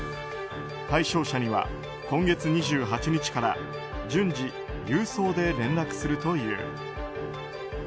対象者には今月２８日から順次郵送で連絡するという。